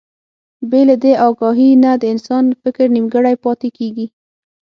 بې له دې اګاهي نه د انسان فکر نيمګړی پاتې کېږي.